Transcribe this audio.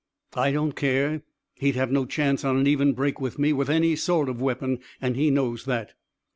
"I don't care. He'd have no chance on an even break with me, with any sort of weapon, and he knows that."